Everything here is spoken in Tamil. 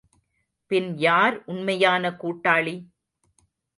பின் யார் உண்மையான கூட்டாளி?